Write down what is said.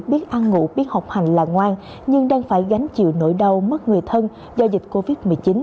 biết ăn ngủ biết học hành là ngoan nhưng đang phải gánh chịu nỗi đau mất người thân do dịch covid một mươi chín